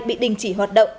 bị đình chỉ hoạt động